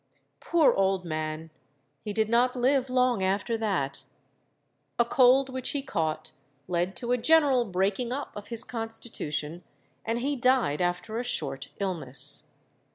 Poor old man! he did not live long after that! A cold which he caught led to a general breaking up of his constitution; and he died after a short illness.